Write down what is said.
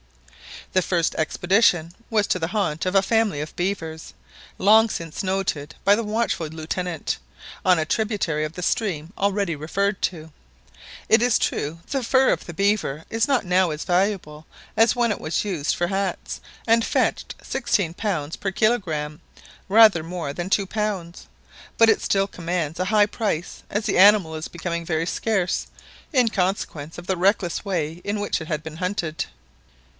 The first expedition was to the haunt of a family of beavers, long since noted by the watchful Lieutenant, on a tributary of the stream already referred to. It is true, the fur of the beaver is not now as valuable as when it was used for hats, and fetched £16 per kilogramme (rather more than 2 lb.); but it still commands a high price as the animal is becoming very scarce, in consequence of the reckless way in which it has been hunted.